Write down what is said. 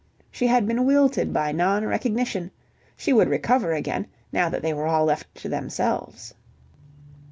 She had been wilted by non recognition; she would recover again, now that they were all left to themselves.